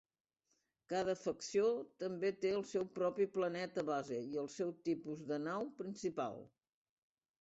Cada facció també té el seu propi planeta base i el seu tipus de nau principal.